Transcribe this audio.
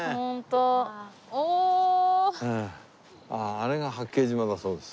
あれが八景島だそうです。